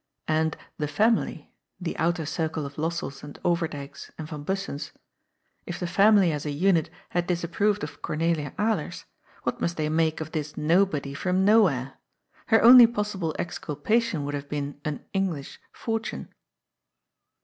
'* And " the family "— the outer circle of Lossells and Overdyks and van Bussens — if the family, as a unit, had disapproved of Cornelia Alers, what must they make of this nobody from nowhere? Her only possible exculpa tion would have been an " English " fortune.